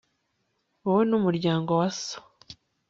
wowe n'umuryango wa so